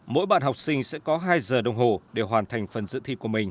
mỗi bạn học sinh sẽ có hai giờ đồng hồ để hoàn thành phần dự thi của mình